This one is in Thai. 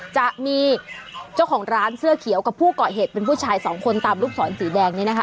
จะมีเจ้าของร้านเสื้อเขียวกับผู้เกาะเหตุเป็นผู้ชายสองคนตามลูกศรสีแดงนี้นะคะ